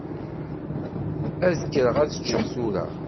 Ad kkreɣ ad ččeɣ tura.